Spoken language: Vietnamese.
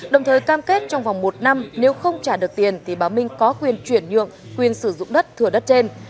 đồng thời cam kết trong vòng một năm nếu không trả được tiền thì bà minh có quyền chuyển nhượng quyền sử dụng đất thừa đất trên